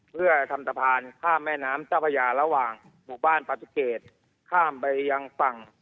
เพื่อทำสะพานข้ามแม่น้ำเจ้าพระยาระหว่างหมู่บ้านปาตุเกตข้ามไปยังฝั่ง